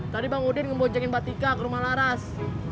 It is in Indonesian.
tadi bang udin ngemboncengin mbak tika ke rumah laras